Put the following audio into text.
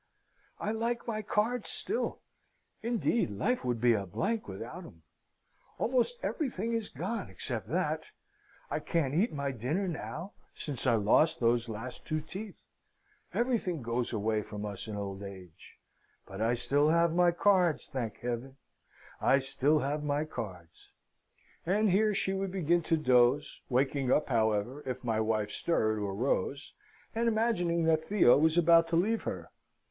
I like my cards still. Indeed, life would be a blank without 'em. Almost everything is gone except that. I can't eat my dinner now, since I lost those last two teeth. Everything goes away from us in old age. But I still have my cards thank Heaven, I still have my cards!" And here she would begin to doze: waking up, however, if my wife stirred or rose, and imagining that Theo was about to leave her.